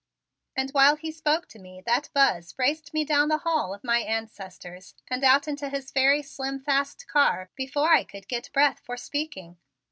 And while he spoke to me, that Buzz raced me down the hall of my ancestors and out into his very slim, fast car before I could get breath for speaking.